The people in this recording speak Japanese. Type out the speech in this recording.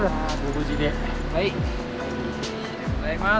無事でございます！